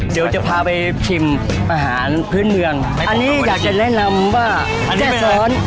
เดี๋ยวจะพาไปชิมอาหารพื้นเมืองอันนี้อยากจะแนะนำว่าอันนี้ซ้อน